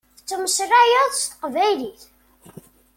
Tettmeslayeḍ s teqbaylit.